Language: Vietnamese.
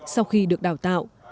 sau khi được đào tạo